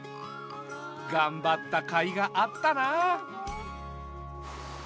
がんばったかいがあったな。